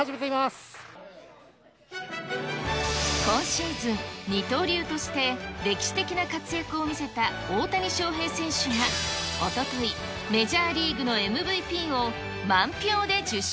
今シーズン、二刀流として、歴史的な活躍を見せた大谷翔平選手が、おととい、メジャーリーグのＭＶＰを満票で受賞。